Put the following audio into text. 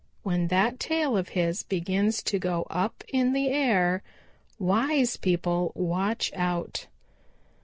When that tail of his begins to go up in the air, wise people watch out.